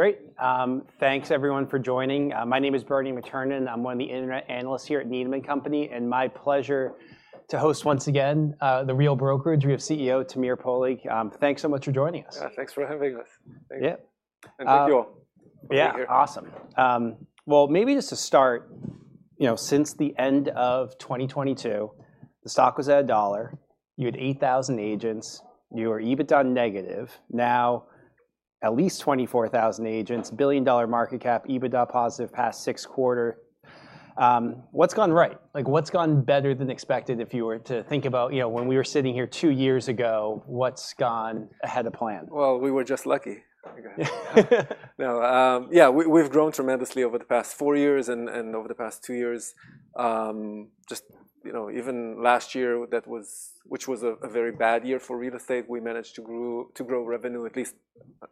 Great. Thanks, everyone, for joining. My name is Bernie McTernan. I'm one of the Internet Analysts here at Needham & Company, and my pleasure to host once again The Real Brokerage. We have CEO Tamir Poleg. Thanks so much for joining us. Thanks for having us. Thank you all. Yeah, awesome. Well, maybe just to start, you know, since the end of 2022, the stock was at $1. You had 8,000 agents. You were EBITDA negative. Now, at least 24,000 agents, billion-dollar market cap, EBITDA positive past six quarters. What's gone right? Like, what's gone better than expected? If you were to think about, you know, when we were sitting here two years ago, what's gone ahead of plan? We were just lucky. Yeah, we've grown tremendously over the past four years and over the past two years. Just, you know, even last year, which was a very bad year for real estate, we managed to grow revenue at least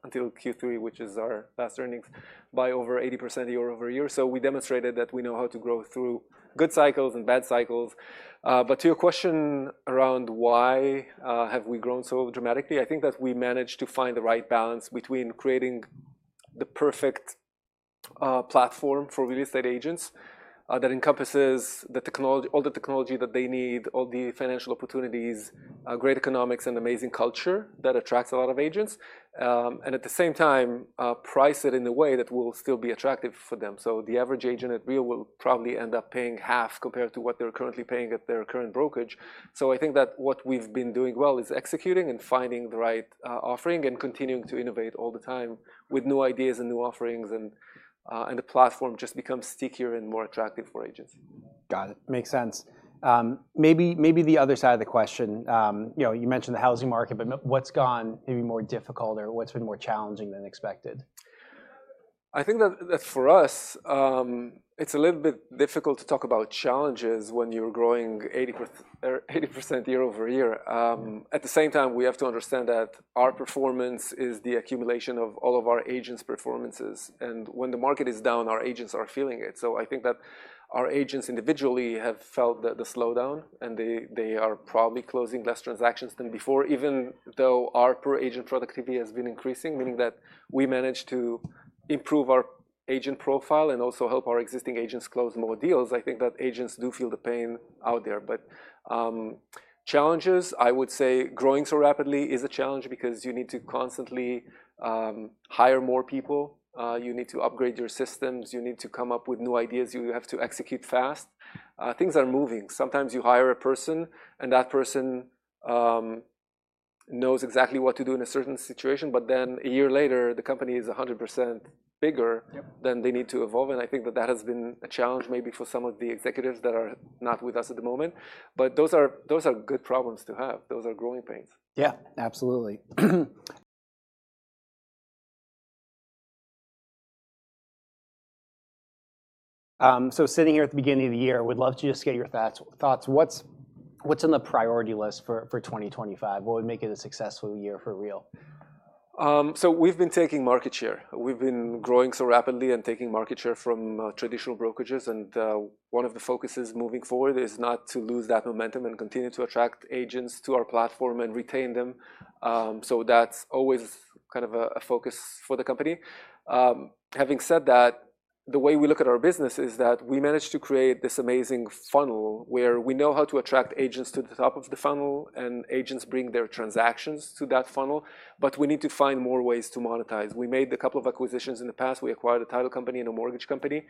until Q3, which is our last earnings, by over 80% year over year. We demonstrated that we know how to grow through good cycles and bad cycles. To your question around why have we grown so dramatically, I think that we managed to find the right balance between creating the perfect platform for real estate agents that encompasses all the technology that they need, all the financial opportunities, great economics, and amazing culture that attracts a lot of agents, and at the same time price it in a way that will still be attractive for them. So the average agent at Real will probably end up paying half compared to what they're currently paying at their current brokerage. So I think that what we've been doing well is executing and finding the right offering and continuing to innovate all the time with new ideas and new offerings, and the platform just becomes stickier and more attractive for agents. Got it. Makes sense. Maybe the other side of the question, you know, you mentioned the housing market, but what's gone maybe more difficult or what's been more challenging than expected? I think that for us, it's a little bit difficult to talk about challenges when you're growing 80% year over year. At the same time, we have to understand that our performance is the accumulation of all of our agents' performances, and when the market is down, our agents are feeling it, so I think that our agents individually have felt the slowdown, and they are probably closing less transactions than before, even though our per-agent productivity has been increasing, meaning that we managed to improve our agent profile and also help our existing agents close more deals. I think that agents do feel the pain out there, but challenges, I would say, growing so rapidly is a challenge because you need to constantly hire more people. You need to upgrade your systems. You need to come up with new ideas. You have to execute fast. Things are moving. Sometimes you hire a person, and that person knows exactly what to do in a certain situation. But then a year later, the company is 100% bigger than they need to evolve. And I think that that has been a challenge maybe for some of the executives that are not with us at the moment. But those are good problems to have. Those are growing pains. Yeah, absolutely. So sitting here at the beginning of the year, I would love to just get your thoughts. What's on the priority list for 2025? What would make it a successful year for Real? We've been taking market share. We've been growing so rapidly and taking market share from traditional brokerages. One of the focuses moving forward is not to lose that momentum and continue to attract agents to our platform and retain them. That's always kind of a focus for the company. Having said that, the way we look at our business is that we managed to create this amazing funnel where we know how to attract agents to the top of the funnel, and agents bring their transactions to that funnel. We need to find more ways to monetize. We made a couple of acquisitions in the past. We acquired a title company and a mortgage company.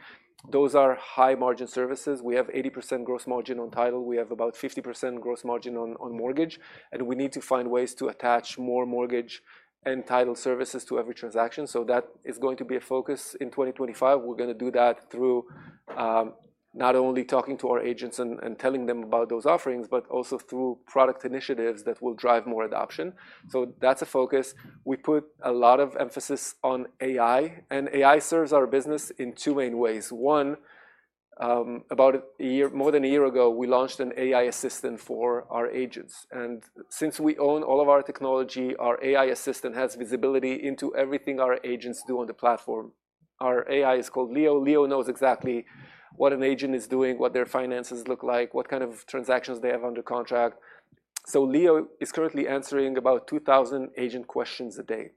Those are high-margin services. We have 80% gross margin on title. We have about 50% gross margin on mortgage. And we need to find ways to attach more mortgage and title services to every transaction. So that is going to be a focus in 2025. We're going to do that through not only talking to our agents and telling them about those offerings, but also through product initiatives that will drive more adoption. So that's a focus. We put a lot of emphasis on AI, and AI serves our business in two main ways. One, about a year, more than a year ago, we launched an AI assistant for our agents. And since we own all of our technology, our AI assistant has visibility into everything our agents do on the platform. Our AI is called Leo. Leo knows exactly what an agent is doing, what their finances look like, what kind of transactions they have under contract. So Leo is currently answering about 2,000 agent questions a day.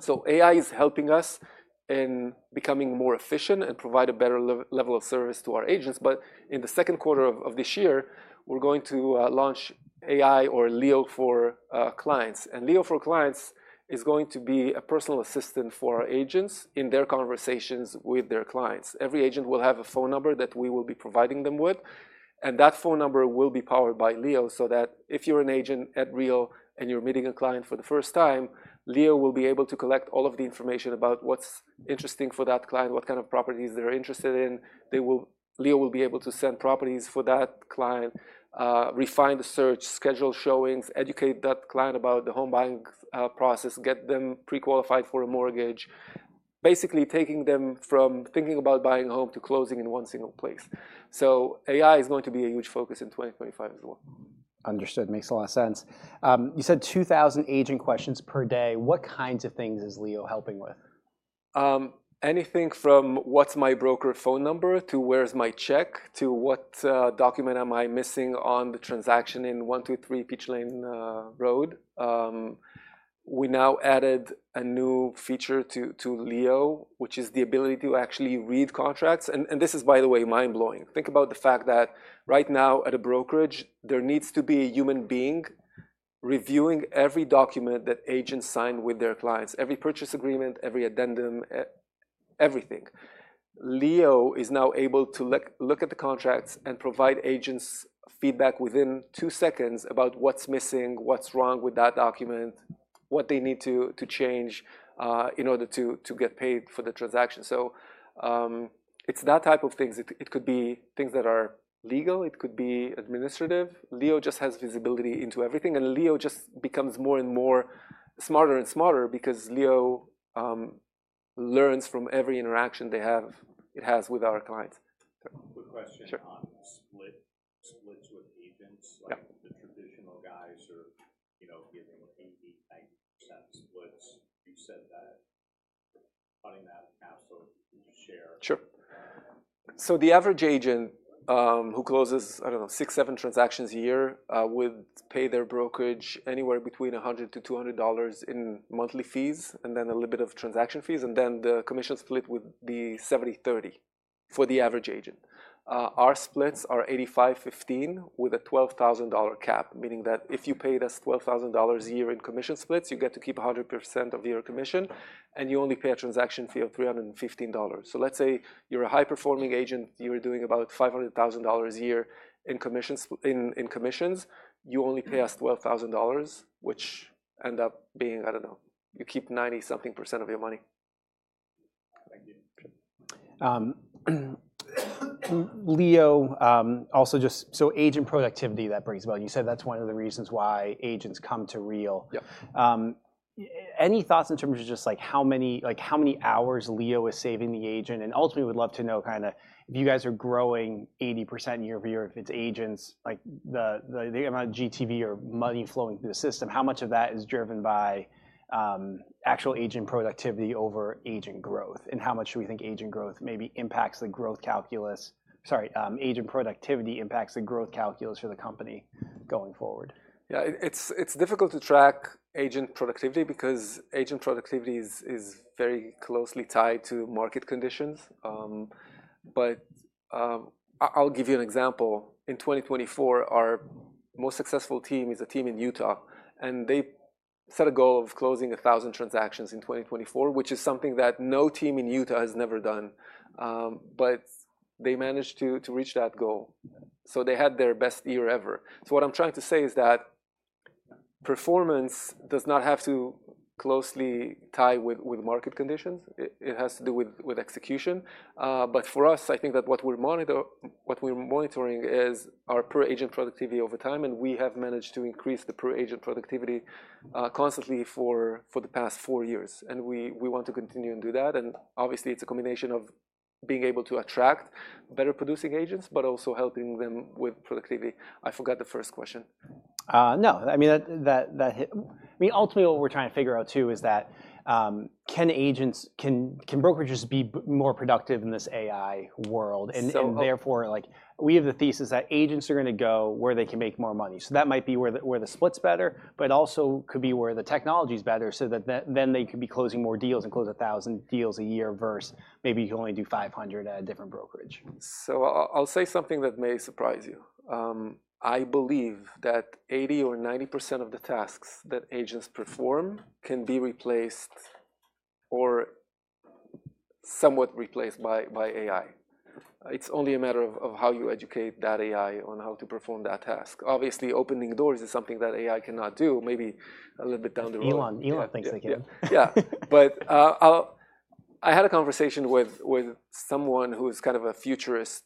So AI is helping us in becoming more efficient and providing a better level of service to our agents. But in the second quarter of this year, we're going to launch our Leo for Clients. And Leo for Clients is going to be a personal assistant for our agents in their conversations with their clients. Every agent will have a phone number that we will be providing them with. And that phone number will be powered by Leo so that if you're an agent at Real and you're meeting a client for the first time, Leo will be able to collect all of the information about what's interesting for that client, what kind of properties they're interested in. Leo will be able to send properties for that client, refine the search, schedule showings, educate that client about the home buying process, get them pre-qualified for a mortgage, basically taking them from thinking about buying a home to closing in one single place. So AI is going to be a huge focus in 2025 as well. Understood. Makes a lot of sense. You said 2,000 agent questions per day. What kinds of things is Leo helping with? Anything from what's my broker phone number to where's my check to what document am I missing on the transaction in 123 Peach Lane Road? We now added a new feature to Leo, which is the ability to actually read contracts, and this is, by the way, mind-blowing. Think about the fact that right now at a brokerage, there needs to be a human being reviewing every document that agents sign with their clients, every purchase agreement, every addendum, everything. Leo is now able to look at the contracts and provide agents feedback within two seconds about what's missing, what's wrong with that document, what they need to change in order to get paid for the transaction, so it's that type of things. It could be things that are legal. It could be administrative. Leo just has visibility into everything. Leo just becomes more and more smarter and smarter because Leo learns from every interaction it has with our clients. Quick question on split with agents. The traditional guys are giving 80% splits. You said that. Putting that cap, could you share? Sure. So the average agent who closes, I don't know, six, seven transactions a year would pay their brokerage anywhere between $100-$200 in monthly fees and then a little bit of transaction fees. And then the commission split would be 70/30 for the average agent. Our splits are 85/15 with a $12,000 cap, meaning that if you paid us $12,000 a year in commission splits, you get to keep 100% of your commission, and you only pay a transaction fee of $315. So let's say you're a high-performing agent. You're doing about $500,000 a year in commissions. You only pay us $12,000, which ends up being, I don't know, you keep 90-something% of your money. Thank you. Leo, also just so agent productivity that brings about, you said that's one of the reasons why agents come to Real. Any thoughts in terms of just like how many hours Leo is saving the agent? And ultimately, we'd love to know kind of if you guys are growing 80% year over year, if it's agents, like the amount of GTV or money flowing through the system, how much of that is driven by actual agent productivity over agent growth? And how much do we think agent growth maybe impacts the growth calculus? Sorry, agent productivity impacts the growth calculus for the company going forward? Yeah, it's difficult to track agent productivity because agent productivity is very closely tied to market conditions. But I'll give you an example. In 2024, our most successful team is a team in Utah. And they set a goal of closing 1,000 transactions in 2024, which is something that no team in Utah has never done. But they managed to reach that goal. So they had their best year ever. So what I'm trying to say is that performance does not have to closely tie with market conditions. It has to do with execution. But for us, I think that what we're monitoring is our per-agent productivity over time. And we have managed to increase the per-agent productivity constantly for the past four years. And we want to continue and do that. And obviously, it's a combination of being able to attract better-producing agents, but also helping them with productivity. I forgot the first question. No, I mean, ultimately, what we're trying to figure out too is that can brokerages be more productive in this AI world, and therefore, we have the thesis that agents are going to go where they can make more money, so that might be where the split's better, but it also could be where the technology's better so that then they could be closing more deals and close 1,000 deals a year versus maybe you can only do 500 at a different brokerage. I'll say something that may surprise you. I believe that 80% or 90% of the tasks that agents perform can be replaced or somewhat replaced by AI. It's only a matter of how you educate that AI on how to perform that task. Obviously, opening doors is something that AI cannot do, maybe a little bit down the road. Elon thinks they can. Yeah, but I had a conversation with someone who's kind of a futurist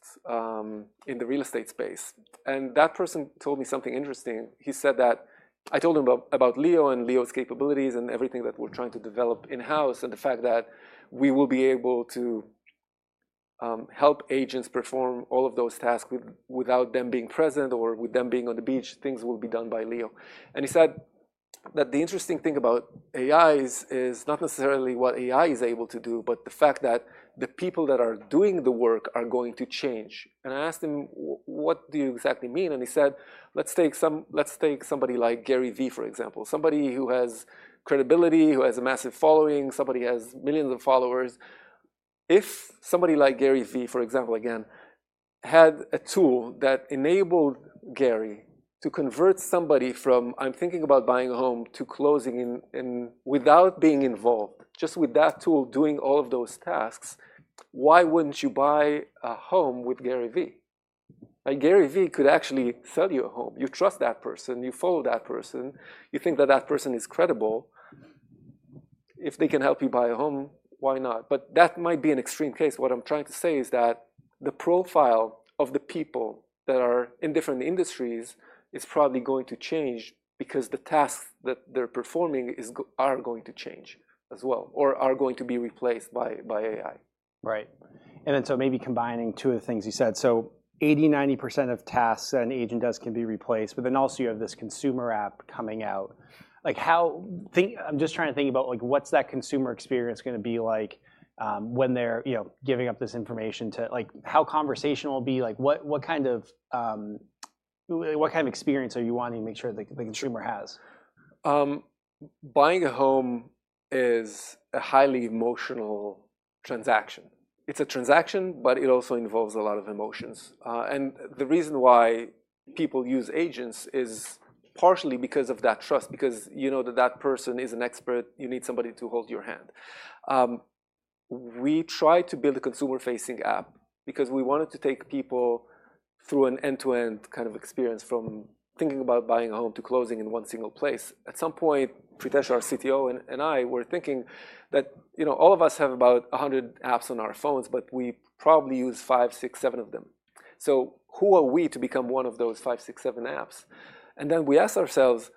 in the real estate space. That person told me something interesting. He said that I told him about Leo and Leo's capabilities and everything that we're trying to develop in-house and the fact that we will be able to help agents perform all of those tasks without them being present or with them being on the beach. Things will be done by Leo. He said that the interesting thing about AI is not necessarily what AI is able to do, but the fact that the people that are doing the work are going to change. I asked him, what do you exactly mean? He said, let's take somebody like Gary Vee, for example, somebody who has credibility, who has a massive following, somebody who has millions of followers. If somebody like Gary Vee, for example, again, had a tool that enabled Gary to convert somebody from, I'm thinking about buying a home, to closing without being involved, just with that tool doing all of those tasks, why wouldn't you buy a home with Gary Vee? Gary Vee could actually sell you a home. You trust that person. You follow that person. You think that that person is credible. If they can help you buy a home, why not? But that might be an extreme case. What I'm trying to say is that the profile of the people that are in different industries is probably going to change because the tasks that they're performing are going to change as well or are going to be replaced by AI. Right, and then so maybe combining two of the things you said, so 80%-90% of tasks an agent does can be replaced, but then also you have this consumer app coming out. I'm just trying to think about what's that consumer experience going to be like when they're giving up this information to how conversational will be? What kind of experience are you wanting to make sure that the consumer has? Buying a home is a highly emotional transaction. It's a transaction, but it also involves a lot of emotions, and the reason why people use agents is partially because of that trust, because you know that that person is an expert. You need somebody to hold your hand. We tried to build a consumer-facing app because we wanted to take people through an end-to-end kind of experience from thinking about buying a home to closing in one single place. At some point, Pritesh, our CTO, and I were thinking that all of us have about 100 apps on our phones, but we probably use five, six, seven of them, so who are we to become one of those five, six, seven apps, and then we asked ourselves,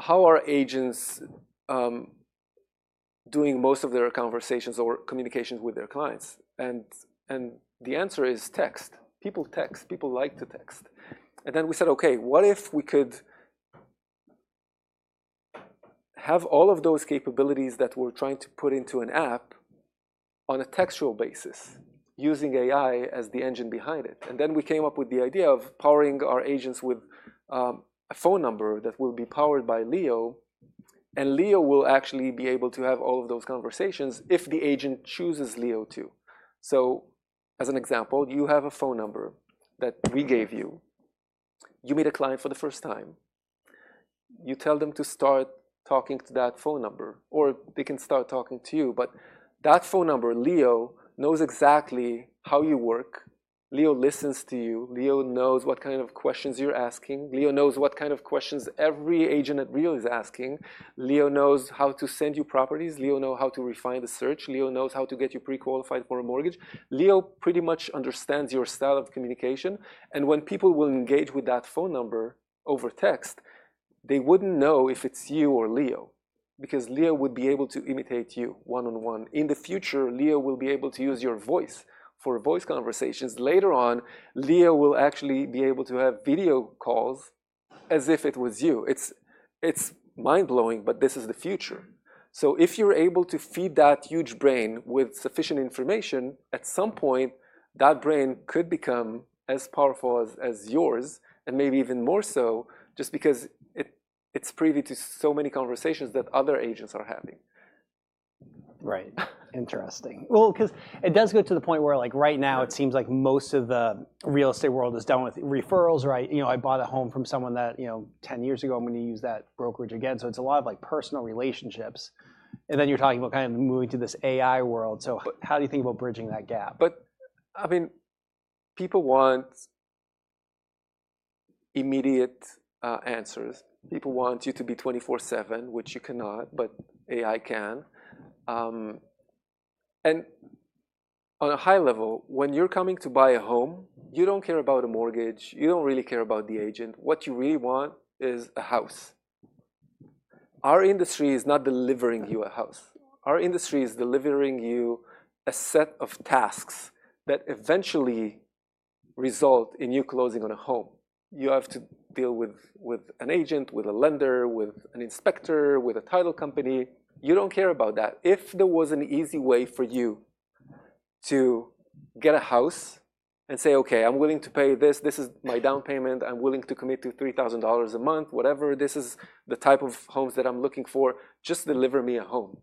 how are agents doing most of their conversations or communications with their clients? and the answer is text. People text. People like to text, and then we said, OK, what if we could have all of those capabilities that we're trying to put into an app on a textual basis using AI as the engine behind it, and then we came up with the idea of powering our agents with a phone number that will be powered by Leo, and Leo will actually be able to have all of those conversations if the agent chooses Leo to, so as an example, you have a phone number that we gave you. You meet a client for the first time. You tell them to start talking to that phone number, or they can start talking to you, but that phone number, Leo knows exactly how you work. Leo listens to you. Leo knows what kind of questions you're asking. Leo knows what kind of questions every agent at Real is asking. Leo knows how to send you properties. Leo knows how to refine the search. Leo knows how to get you pre-qualified for a mortgage. Leo pretty much understands your style of communication, and when people will engage with that phone number over text, they wouldn't know if it's you or Leo because Leo would be able to imitate you one-on-one. In the future, Leo will be able to use your voice for voice conversations. Later on, Leo will actually be able to have video calls as if it was you. It's mind-blowing, but this is the future, so if you're able to feed that huge brain with sufficient information, at some point, that brain could become as powerful as yours and maybe even more so just because it's privy to so many conversations that other agents are having. Right. Interesting. Well, because it does go to the point where right now it seems like most of the real estate world is done with referrals, right? I bought a home from someone that 10 years ago, I'm going to use that brokerage again. So it's a lot of personal relationships. And then you're talking about kind of moving to this AI world. So how do you think about bridging that gap? But I mean, people want immediate answers. People want you to be 24/7, which you cannot, but AI can. And on a high level, when you're coming to buy a home, you don't care about a mortgage. You don't really care about the agent. What you really want is a house. Our industry is not delivering you a house. Our industry is delivering you a set of tasks that eventually result in you closing on a home. You have to deal with an agent, with a lender, with an inspector, with a title company. You don't care about that. If there was an easy way for you to get a house and say, OK, I'm willing to pay this. This is my down payment. I'm willing to commit to $3,000 a month, whatever. This is the type of homes that I'm looking for. Just deliver me a home.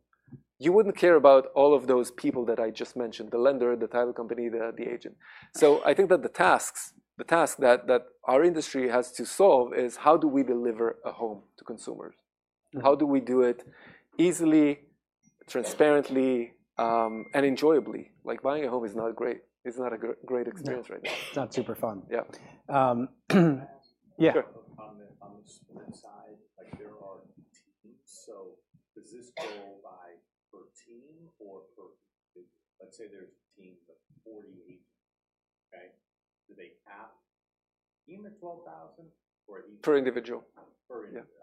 You wouldn't care about all of those people that I just mentioned, the lender, the title company, the agent. So I think that the task that our industry has to solve is how do we deliver a home to consumers? How do we do it easily, transparently, and enjoyably? Like buying a home is not great. It's not a great experience right now. It's not super fun. Yeah. On the split side, there are teams. So does this go by per team or per? Let's say there's a team of 40 agents. Do they cap team at 12,000 or? Per individual.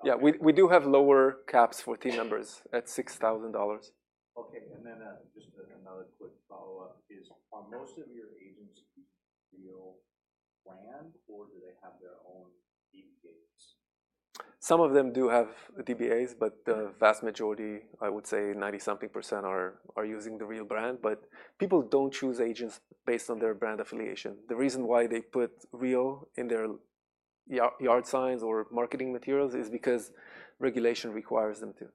Yeah, we do have lower caps for team members at $6,000. OK. And then just another quick follow-up is, are most of your agents Real-branded, or do they have their own DBAs? Some of them do have DBAs, but the vast majority, I would say 90-something%, are using the Real brand. But people don't choose agents based on their brand affiliation. The reason why they put Real in their yard signs or marketing materials is because regulation requires them to.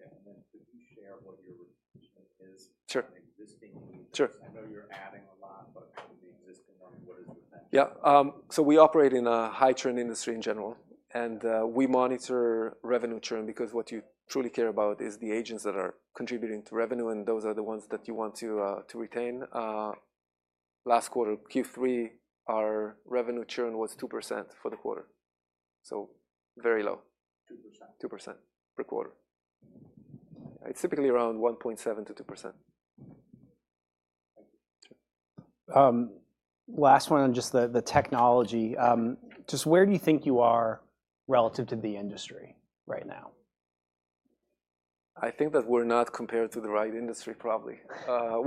Yeah. And then could you share what your reputation is? Sure. I know you're adding a lot, but the existing one, what is your? Yeah. So we operate in a high-turn industry in general, and we monitor revenue churn because what you truly care about is the agents that are contributing to revenue, and those are the ones that you want to retain. Last quarter, Q3, our revenue churn was 2% for the quarter, so very low. 2%? 2% per quarter. It's typically around 1.7%-2%. Last one on just the technology. Just where do you think you are relative to the industry right now? I think that we're not compared to the right industry, probably. I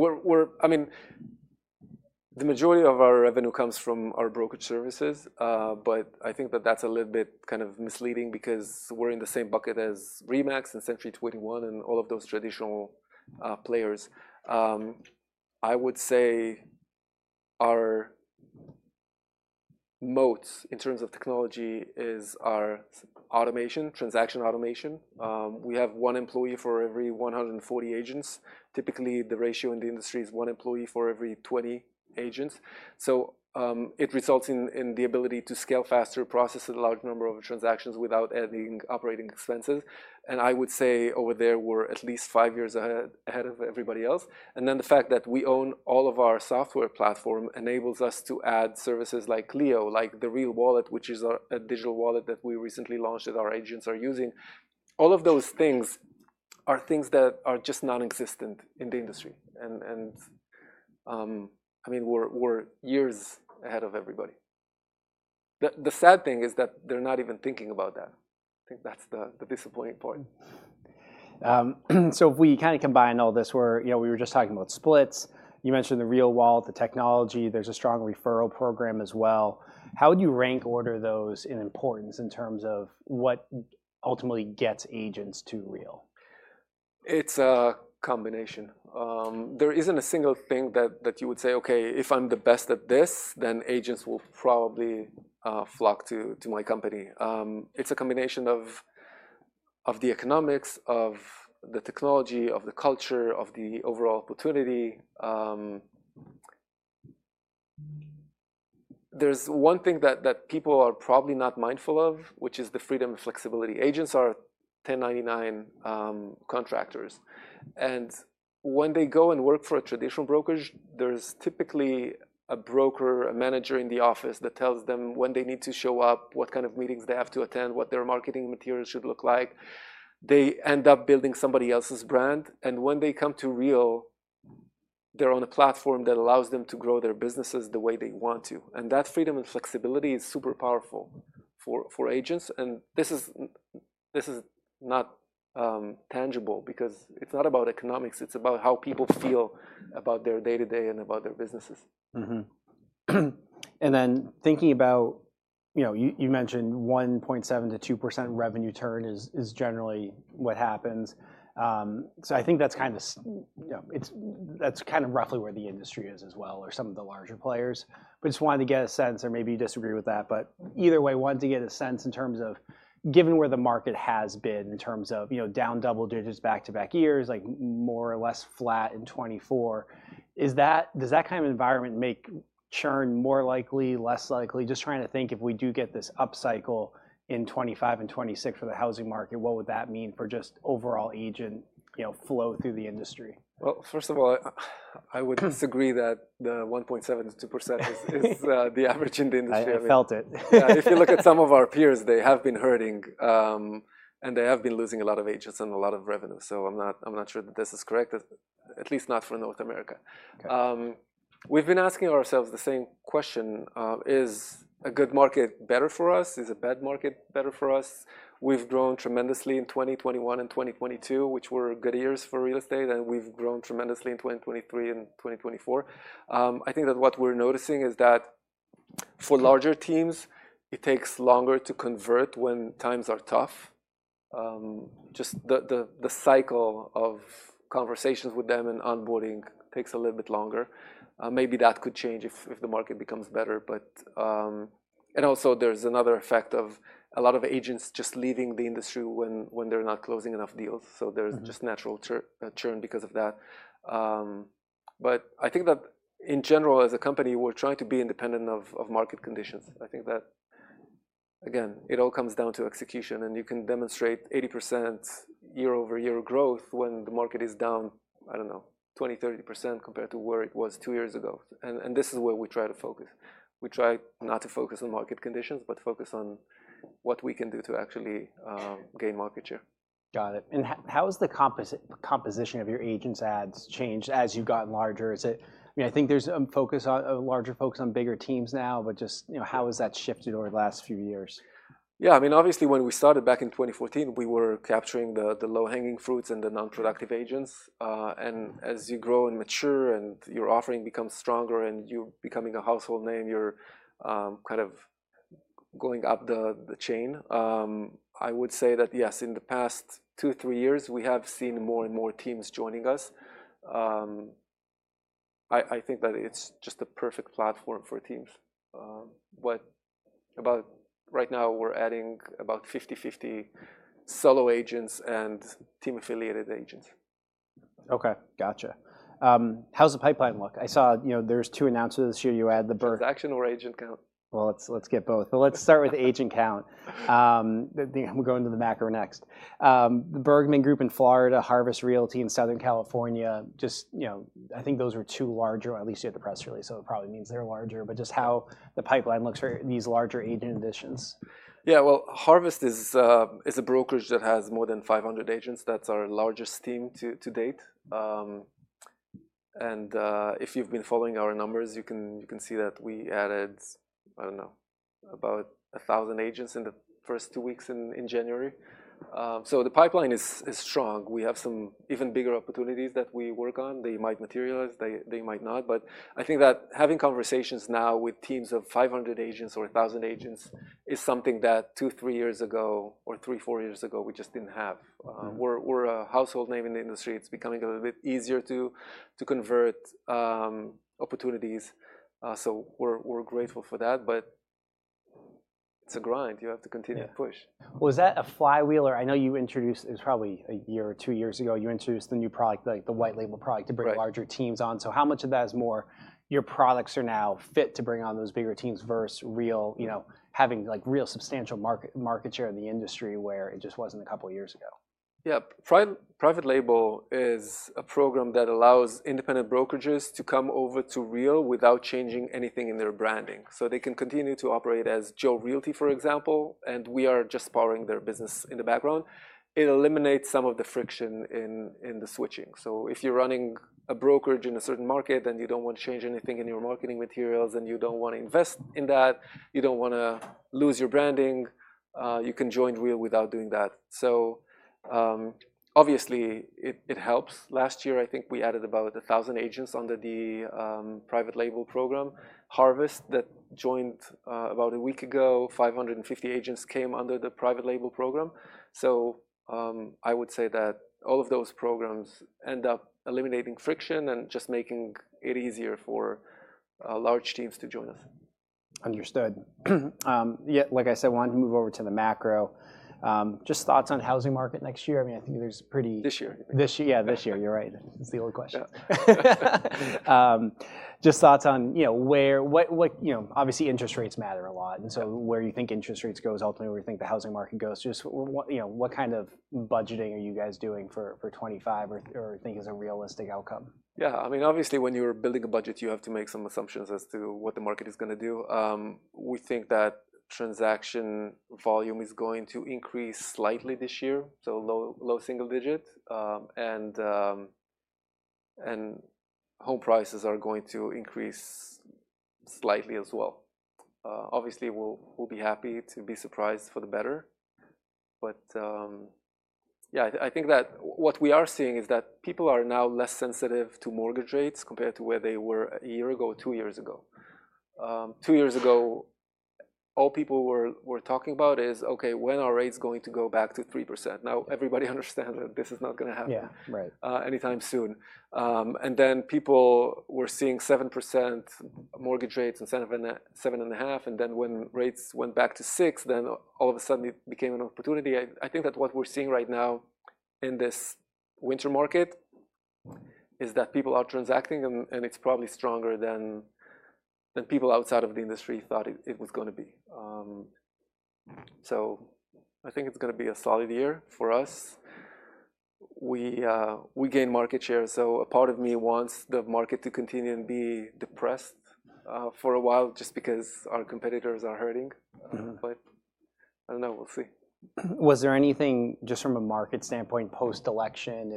mean, the majority of our revenue comes from our brokerage services. But I think that that's a little bit kind of misleading because we're in the same bucket as RE/MAX and Century 21 and all of those traditional players. I would say our moat in terms of technology is our automation, transaction automation. We have one employee for every 140 agents. Typically, the ratio in the industry is one employee for every 20 agents. So it results in the ability to scale faster, process a large number of transactions without adding operating expenses, and I would say over there, we're at least five years ahead of everybody else. And then the fact that we own all of our software platform enables us to add services like Leo, like the Real Wallet, which is a digital wallet that we recently launched that our agents are using. All of those things are things that are just non-existent in the industry. And I mean, we're years ahead of everybody. The sad thing is that they're not even thinking about that. I think that's the disappointing part. So if we kind of combine all this, we were just talking about splits. You mentioned the Real Wallet, the technology. There's a strong referral program as well. How would you rank order those in importance in terms of what ultimately gets agents to Real? It's a combination. There isn't a single thing that you would say, OK, if I'm the best at this, then agents will probably flock to my company. It's a combination of the economics, of the technology, of the culture, of the overall opportunity. There's one thing that people are probably not mindful of, which is the freedom and flexibility. Agents are 1099 contractors, and when they go and work for a traditional brokerage, there's typically a broker, a manager in the office that tells them when they need to show up, what kind of meetings they have to attend, what their marketing materials should look like. They end up building somebody else's brand, and when they come to Real, they're on a platform that allows them to grow their businesses the way they want to, and that freedom and flexibility is super powerful for agents. This is not tangible because it's not about economics. It's about how people feel about their day-to-day and about their businesses. And then, thinking about you mentioned 1.7%-2% revenue churn is generally what happens. So I think that's kind of roughly where the industry is as well, or some of the larger players. But just wanted to get a sense, or maybe you disagree with that. But either way, wanted to get a sense in terms of given where the market has been in terms of down double digits back-to-back years, like more or less flat in 2024, does that kind of environment make churn more likely, less likely? Just trying to think if we do get this upcycle in 2025 and 2026 for the housing market, what would that mean for just overall agent flow through the industry? First of all, I would disagree that the 1.7%-2% is the average in the industry. I felt it. If you look at some of our peers, they have been hurting. And they have been losing a lot of agents and a lot of revenue. So I'm not sure that this is correct, at least not for North America. We've been asking ourselves the same question. Is a good market better for us? Is a bad market better for us? We've grown tremendously in 2021 and 2022, which were good years for real estate. And we've grown tremendously in 2023 and 2024. I think that what we're noticing is that for larger teams, it takes longer to convert when times are tough. Just the cycle of conversations with them and onboarding takes a little bit longer. Maybe that could change if the market becomes better. And also, there's another effect of a lot of agents just leaving the industry when they're not closing enough deals. So there's just natural churn because of that. But I think that in general, as a company, we're trying to be independent of market conditions. I think that, again, it all comes down to execution. And you can demonstrate 80% year-over-year growth when the market is down, I don't know, 20%, 30% compared to where it was two years ago. And this is where we try to focus. We try not to focus on market conditions, but focus on what we can do to actually gain market share. Got it. And how has the composition of your agent adds changed as you've gotten larger? I mean, I think there's a larger focus on bigger teams now. But just how has that shifted over the last few years? Yeah. I mean, obviously, when we started back in 2014, we were capturing the low-hanging fruits and the non-productive agents. And as you grow and mature and your offering becomes stronger and you're becoming a household name, you're kind of going up the chain. I would say that, yes, in the past two or three years, we have seen more and more teams joining us. I think that it's just a perfect platform for teams. But right now, we're adding about 50/50 solo agents and team-affiliated agents. OK. Gotcha. How's the pipeline look? I saw there's two announcements this year. You add the. Transaction or agent count? Well, let's get both. Let's start with agent count. We'll go into the macro next. The Bergman Group in Florida, Harvest Realty in Southern California, just I think those were two larger, or at least you had the press release. So it probably means they're larger. But just how the pipeline looks for these larger agent additions. Yeah. Well, Harvest is a brokerage that has more than 500 agents. That's our largest team to date. And if you've been following our numbers, you can see that we added, I don't know, about 1,000 agents in the first two weeks in January. So the pipeline is strong. We have some even bigger opportunities that we work on. They might materialize. They might not. But I think that having conversations now with teams of 500 agents or 1,000 agents is something that two or three years ago, or three or four years ago, we just didn't have. We're a household name in the industry. It's becoming a little bit easier to convert opportunities. So we're grateful for that. But it's a grind. You have to continue to push. Was that a flywheel, or I know you introduced, it was probably a year or two years ago, you introduced the new product, the private label product, to bring larger teams on, so how much of that is more your products are now fit to bring on those bigger teams versus Real having real substantial market share in the industry where it just wasn't a couple of years ago? Yeah. Private Label is a program that allows independent brokerages to come over to Real without changing anything in their branding. So they can continue to operate as Joe Realty, for example. And we are just powering their business in the background. It eliminates some of the friction in the switching. So if you're running a brokerage in a certain market and you don't want to change anything in your marketing materials, and you don't want to invest in that, you don't want to lose your branding, you can join Real without doing that. So obviously, it helps. Last year, I think we added about 1,000 agents under the Private Label program. Harvest Realty that joined about a week ago, 550 agents came under the Private Label program. So I would say that all of those programs end up eliminating friction and just making it easier for large teams to join us. Understood. Like I said, I wanted to move over to the macro. Just thoughts on the housing market next year? I mean, I think there's pretty. This year. Yeah, this year. You're right. It's the old question. Just thoughts on where, obviously, interest rates matter a lot. And so where you think interest rates goes, ultimately where you think the housing market goes, just what kind of budgeting are you guys doing for 2025, or think is a realistic outcome? Yeah. I mean, obviously, when you're building a budget, you have to make some assumptions as to what the market is going to do. We think that transaction volume is going to increase slightly this year, so low single digit, and home prices are going to increase slightly as well. Obviously, we'll be happy to be surprised for the better, but yeah, I think that what we are seeing is that people are now less sensitive to mortgage rates compared to where they were a year ago, two years ago. Two years ago, all people were talking about is, OK, when are rates going to go back to 3%? Now, everybody understands that this is not going to happen anytime soon, and then people were seeing 7% mortgage rates instead of 7.5%, and then when rates went back to 6%, then all of a sudden, it became an opportunity. I think that what we're seeing right now in this winter market is that people are transacting. And it's probably stronger than people outside of the industry thought it was going to be. So I think it's going to be a solid year for us. We gain market share. So a part of me wants the market to continue and be depressed for a while just because our competitors are hurting. But I don't know. We'll see. Was there anything just from a market standpoint post-election?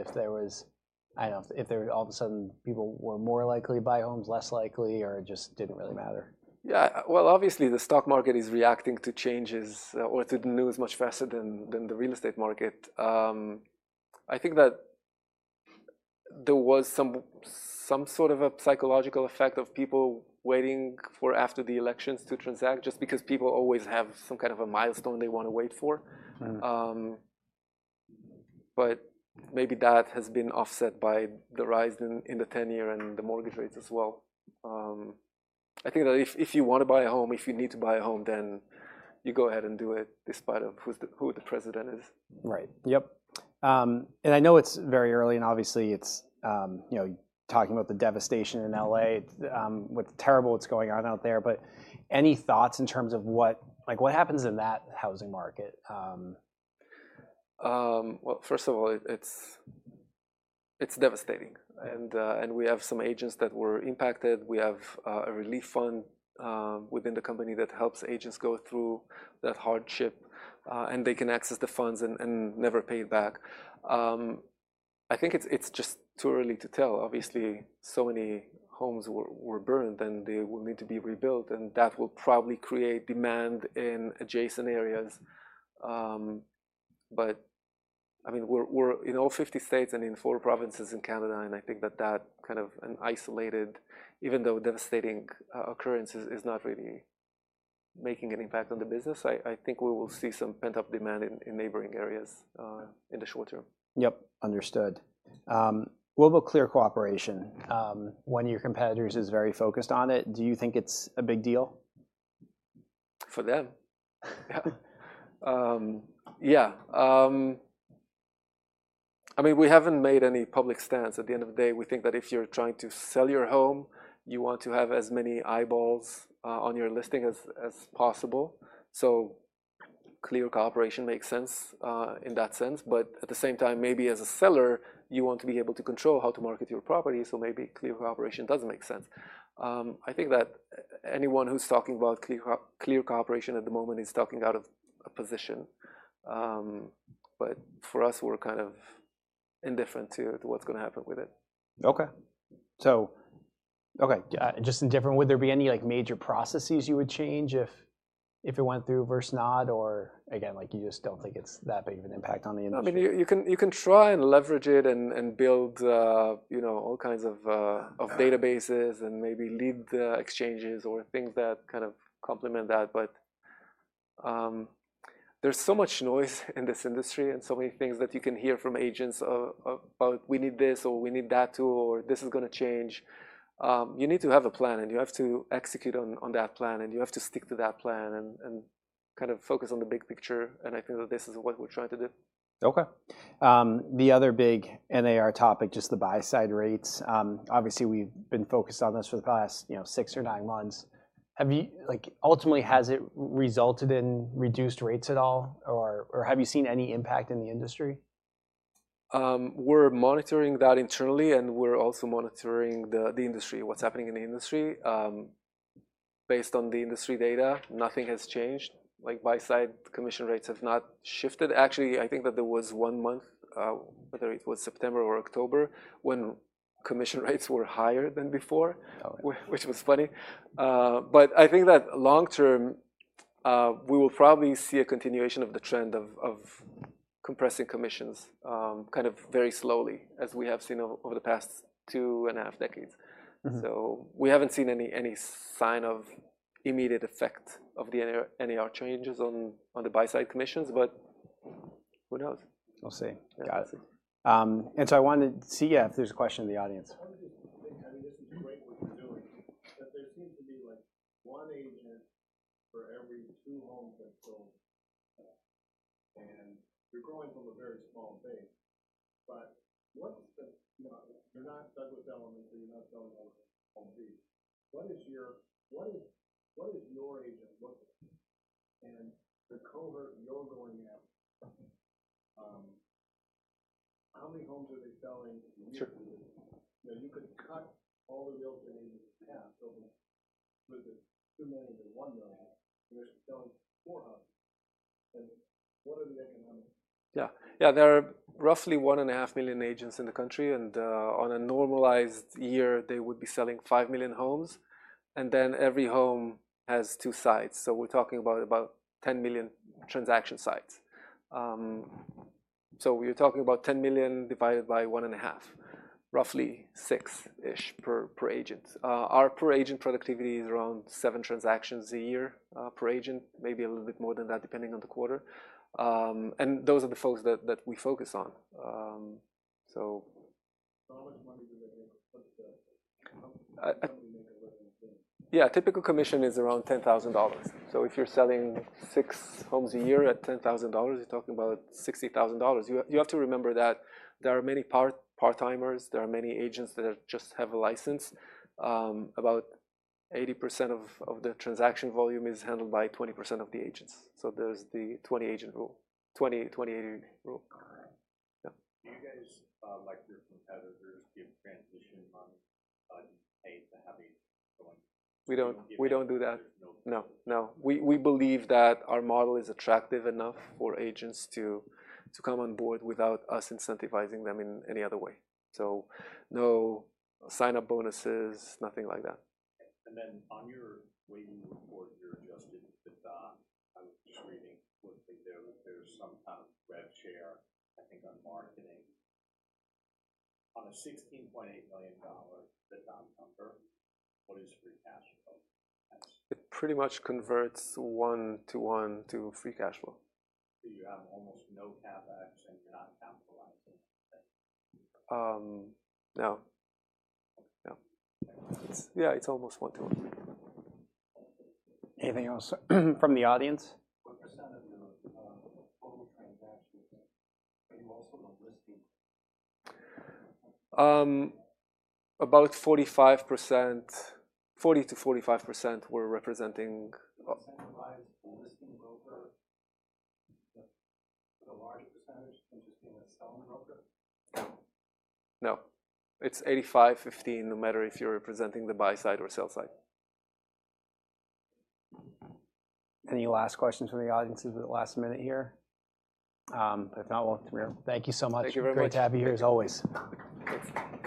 I don't know if all of a sudden, people were more likely to buy homes, less likely, or it just didn't really matter? Yeah. Well, obviously, the stock market is reacting to changes or to the news much faster than the real estate market. I think that there was some sort of a psychological effect of people waiting for after the elections to transact just because people always have some kind of a milestone they want to wait for. But maybe that has been offset by the rise in the ten-year and the mortgage rates as well. I think that if you want to buy a home, if you need to buy a home, then you go ahead and do it despite who the president is. Right. Yep. And I know it's very early. And obviously, it's talking about the devastation in LA with terrible, what's going on out there. But any thoughts in terms of what happens in that housing market? First of all, it's devastating. We have some agents that were impacted. We have a relief fund within the company that helps agents go through that hardship. They can access the funds and never pay it back. I think it's just too early to tell. Obviously, so many homes were burned. They will need to be rebuilt. That will probably create demand in adjacent areas. I mean, we're in all 50 states and in four provinces in Canada. I think that that kind of an isolated, even though devastating occurrence is not really making an impact on the business. I think we will see some pent-up demand in neighboring areas in the short term. Yep. Understood. Global Clear Cooperation when your competitors are very focused on it. Do you think it's a big deal? For them? Yeah. Yeah. I mean, we haven't made any public stance. At the end of the day, we think that if you're trying to sell your home, you want to have as many eyeballs on your listing as possible. So Clear Cooperation makes sense in that sense. But at the same time, maybe as a seller, you want to be able to control how to market your property. So maybe Clear Cooperation does make sense. I think that anyone who's talking about Clear Cooperation at the moment is talking out of a position. But for us, we're kind of indifferent to what's going to happen with it. OK. Just indifferent. Would there be any major processes you would change if it went through versus not? Or again, you just don't think it's that big of an impact on the industry? I mean, you can try and leverage it and build all kinds of databases and maybe lead exchanges or things that kind of complement that. But there's so much noise in this industry and so many things that you can hear from agents about, we need this or we need that tool, or this is going to change. You need to have a plan. And you have to execute on that plan. And you have to stick to that plan and kind of focus on the big picture. And I think that this is what we're trying to do. OK. The other big NAR topic, just the buy-side rates. Obviously, we've been focused on this for the past six or nine months. Ultimately, has it resulted in reduced rates at all? Or have you seen any impact in the industry? We're monitoring that internally, and we're also monitoring the industry, what's happening in the industry. Based on the industry data, nothing has changed. Buy-side commission rates have not shifted. Actually, I think that there was one month, whether it was September or October, when commission rates were higher than before, which was funny. I think that long term, we will probably see a continuation of the trend of compressing commissions kind of very slowly, as we have seen over the past two and a half decades. We haven't seen any sign of immediate effect of the NAR changes on the buy-side commissions. Who knows? We'll see. Got it, and so I wanted to see, yeah, if there's a question in the audience. This is great, what you're doing. But there seems to be one agent for every two homes that sold. And you're growing from a very small base. But you're not Douglas Elliman, and you're not selling all the beach. What is your agent look like? And the cohort you're going after, how many homes are they selling? You could cut all the real estate agents in the past over the two million to one million. And they're selling four homes. And what are the economics? Yeah. Yeah. There are roughly 1.5 million agents in the country. And on a normalized year, they would be selling 5 million homes. And then every home has two sides. So we're talking about 10 million transaction sides. So we're talking about 10 million divided by 1.5, roughly 6-ish per agent. Our per agent productivity is around seven transactions a year per agent, maybe a little bit more than that, depending on the quarter. And those are the folks that we focus on. So. How much money do they make? Yeah. Typical commission is around $10,000. So if you're selling six homes a year at $10,000, you're talking about $60,000. You have to remember that there are many part-timers. There are many agents that just have a license. About 80% of the transaction volume is handled by 20% of the agents. So there's the 20-agent rule, 20-80 rule. Do you guys let your competitors get transition money to pay to have each one? We don't do that. No. No. We believe that our model is attractive enough for agents to come on board without us incentivizing them in any other way. So no sign-up bonuses, nothing like that. And then on your rating report, you're adjusting the VAT. I was just reading something there. There's some kind of rev share, I think, on marketing. On a $16.8 million VAT number, what is free cash flow? It pretty much converts one to one to free cash flow. So you have almost no CapEx, and you're not capitalizing? No. Yeah. Yeah. It's almost one to one. Anything else from the audience? What % of the total transactions are you also the listing? About 45%, 40% to 45% were representing. Percentage of buyers' listing broker, the larger percentage interesting at selling broker? No. No. It's 85%-15%, no matter if you're representing the buy-side or sell-side. Any last questions from the audience at the last minute here? If not, well, Tamir, thank you so much. Thank you very much. Great to have you here as always. Thanks.